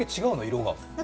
色が。